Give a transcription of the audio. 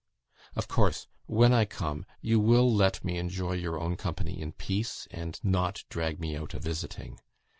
Of course, when I come, you will let me enjoy your own company in peace, and not drag me out a visiting.